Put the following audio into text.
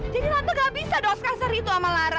jadi tante gak bisa dong sekasar itu sama lara